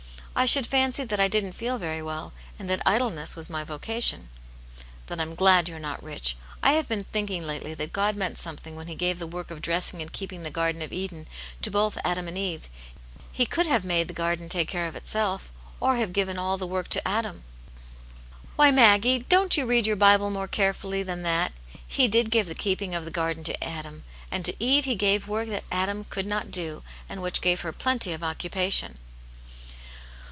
I should fancy that I didn't feel very well, and that idleness was my vocation." "Then Tm glad you're not rich. I have been thinking lately that God meant something when he gave the work of dressing and keeping the Gardea oC Eden to both Adam and Eve* He cc^vsJAV^^e. ^ssaA^ l8o Aunt Janets Hero. the garden take care of itself, or have given all the work to Adam." " Why, Maggie ! don't you read your Bible more carefully than that ? He did give the keeping of the garden to Adam, and to Eve he gave work that Adam could not do, and which gave her plenty of occupation."